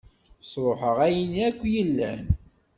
Ṣṛuḥeɣ ayen akk yellan.